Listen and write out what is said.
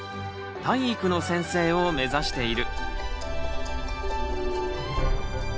体育の先生を目指している。